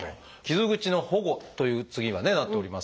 「傷口の保護」という次がねなっております